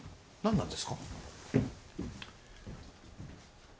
なんですか？